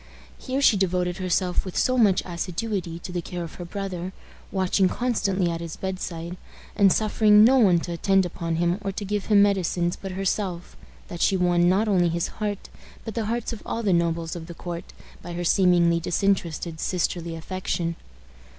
Here she devoted herself with so much assiduity to the care of her brother, watching constantly at his bedside, and suffering no one to attend upon him or to give him medicines but herself, that she won not only his heart, but the hearts of all the nobles of the court, by her seemingly disinterested sisterly affection.